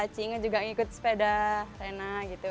cie inge juga ngikut sepeda rena gitu